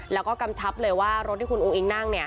แล้วก็กำชับเลยว่ารถที่คุณอุ้งอิงนั่ง